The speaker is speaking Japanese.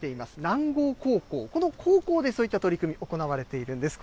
南郷高校、この高校でそういった取り組み、行われているんです。